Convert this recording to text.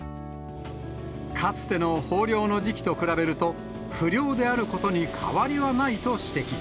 かつての豊漁の時期と比べると、不漁であることに変わりはないと指摘。